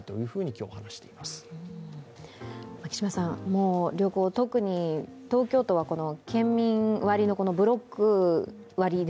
もう旅行、特に東京都は県民割のブロック割に